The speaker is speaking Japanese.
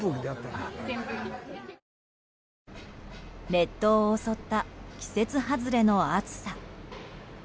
列島を襲った季節外れの暑さ。